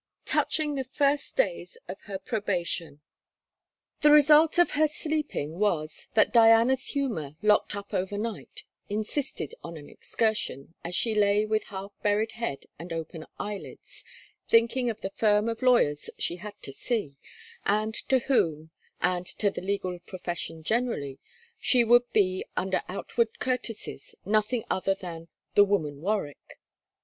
TOUCHING THE FIRST DAYS OF HER PROBATION The result of her sleeping was, that Diana's humour, locked up overnight, insisted on an excursion, as she lay with half buried head and open eyelids, thinking of the firm of lawyers she had to see; and to whom, and to the legal profession generally, she would be, under outward courtesies, nothing other than 'the woman Warwick.'